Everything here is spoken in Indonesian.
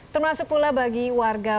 termasuk pula bagi warga